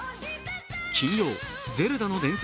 金曜、「ゼルダの伝説」